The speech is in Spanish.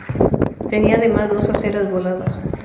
Tenía además dos aceras voladas.